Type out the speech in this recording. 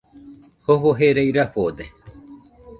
Jofo jerai rafode